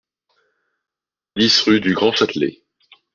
dix rue du Grand Châtelet